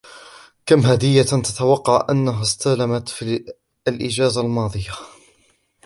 كم هديةً تتوقع أنها استلمت في الإجازة الماضية ؟